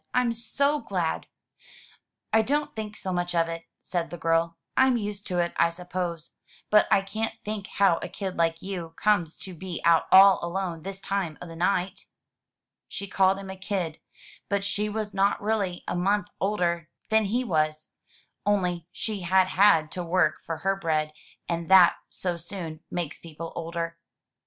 "I'm so glad!" "I don't think so much of it," said the girl. "I'm used to it, I suppose. But I can't think how a kid like you comes to be out all alone this time o' the night." She called him a kid, but she was not really a month older 435 MY BOOK HOUSE than he was; only she had had to work for her bread, and that so soon makes people older.